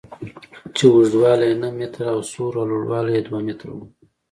چې اوږدوالی یې نهه متره او سور او لوړوالی یې دوه متره و.